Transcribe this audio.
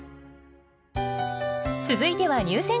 続いては入選歌の発表。